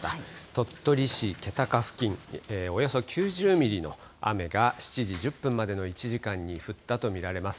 鳥取市気高付近、およそ９０ミリの雨が７時１０分までの１時間に降ったと見られます。